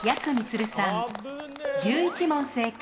１１問正解。